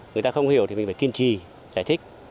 người ta không hiểu thì mình phải kiên trì giải thích